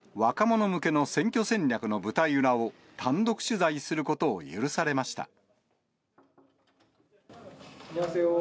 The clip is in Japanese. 今回、私たちは、両陣営が進めている若者向けの選挙戦略の舞台裏を、単独取材することを許されました。